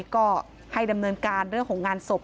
ก็ให้ดำเนินการเรื่องของงานศพ